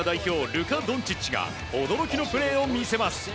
ルカ・ドンチッチが驚きのプレーを見せます。